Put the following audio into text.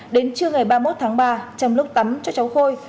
đến trưa ngày ba mươi một tháng ba trong lúc tắm cho cháu khôi